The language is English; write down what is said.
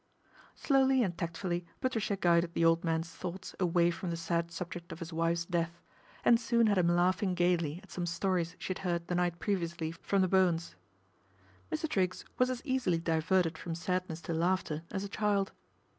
Slowly and tactfully Patricia guided the old man's thoughts away from the sad subject of his wife's death, and soon had him laughing gaily at some stories she had heard the night previously from the Bowens. Mr. Triggs was as easily diverted from sadness to laughter as a child.